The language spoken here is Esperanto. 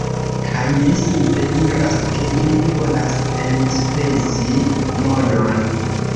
Kaj li simple diras, ke ili volas enspezi monon